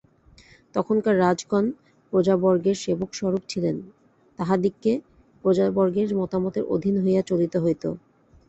তখনকার রাজগণ প্রজাবর্গের সেবকস্বরূপ ছিলেন, তাঁহাদিগকে প্রজাবর্গের মতামতের অধীন হইয়া চলিতে হইত।